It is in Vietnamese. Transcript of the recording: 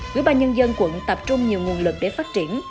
quỹ ba nhân dân quận tập trung nhiều nguồn lực để phát triển